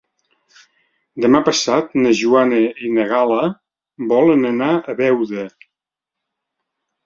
Demà passat na Joana i na Gal·la volen anar a Beuda.